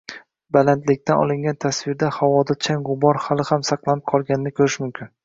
Balandlikdan olingan tasvirlarda havoda chang-g‘ubor hali ham saqlanib qolganini ko‘rish mumkin